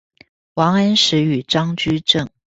王安石與張居正